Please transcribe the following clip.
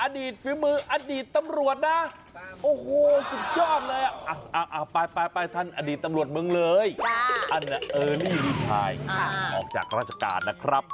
สวัสดีครับ